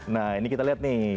nah ini kita lihat nih